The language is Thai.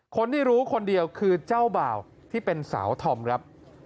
คนที่รู้คนเดียวคือเจ้าบ่าวที่เป็นสาวธอมครับ